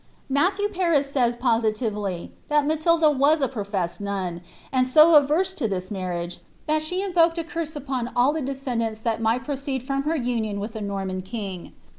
Matthew Paris says positively that Matilda was a professed nun, and BO averse to this marriage, that she invoked a curse upon all the de seendants that might proceed from her union with the Norman king ' Eadroer.